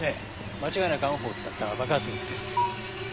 間違いなくＡＮＦＯを使った爆発物です。